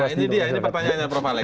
nah ini dia pertanyaannya prof ale